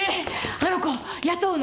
あの子雇うの？